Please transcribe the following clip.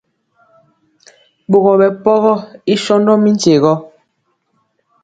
Ɓogɔ ɓɛpɔgɔ i sɔndɔ mi nkye rɔ.